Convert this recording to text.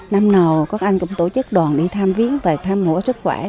năm nào các anh cũng tổ chức đoàn đi thăm viếng và thăm hổ sức khỏe